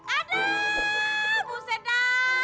aduh buset dah